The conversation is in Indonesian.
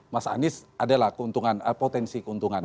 mas anies adalah keuntungan potensi keuntungan